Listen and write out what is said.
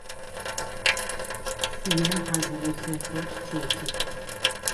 Цыем хьазырылъэхэр тетых.